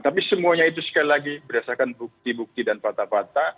tapi semuanya itu sekali lagi berdasarkan bukti bukti dan fakta fakta